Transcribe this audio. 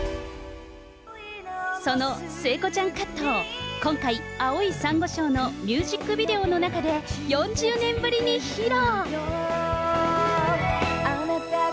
その聖子ちゃんカットを今回、青い珊瑚礁のミュージックビデオの中で、４０年ぶりに披露。